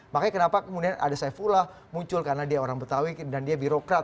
makanya kenapa kemudian ada saifullah muncul karena dia orang betawi dan dia birokrat